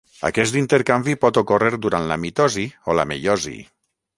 Aquest intercanvi pot ocórrer durant la mitosi o la meiosi.